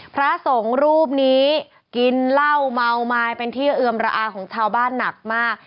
พระสงฆ์รูปนี้กินเหล้าเมาไม้เป็นที่เอือมระอาของชาวบ้านหนักมาก